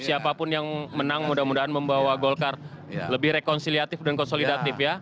siapapun yang menang mudah mudahan membawa golkar lebih rekonsiliatif dan konsolidatif ya